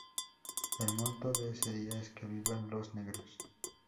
El motto de ese día es: Que vivan los Negros!